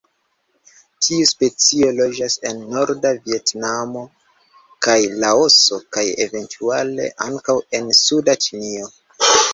Tiu specio loĝas en norda Vjetnamo kaj Laoso, kaj eventuale ankaŭ en suda Ĉinio.